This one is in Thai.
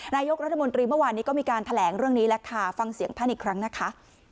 นายกรัฐมนตรีเมื่อวานนี้ก็มีการแถลงเรื่องนี้แล้วค่ะฟังเสียงท่านอีกครั้งนะคะ